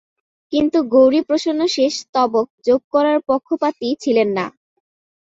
কিন্তু গৌরী প্রসন্ন শেষ স্তবক যোগ করার পক্ষপাতী ছিলেন না।